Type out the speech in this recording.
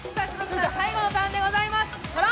最後のターンでございます。